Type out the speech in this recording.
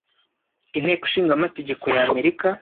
inteko ishinga amategeko ya Amerika